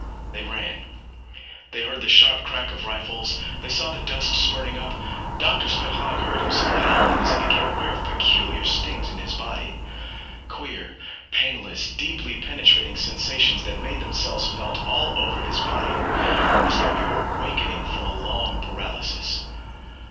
They ran. They heard the sharp crack of rifles. They saw the dust spurting up. Doctor Spechaug heard himself howling as he became aware of peculiar stings in his body. Queer, painless, deeply penetrating sensations that made themselves felt all over his body as though he was awakening from a long paralysis.